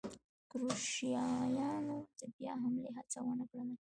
کروشیایانو د بیا حملې هڅه ونه کړل.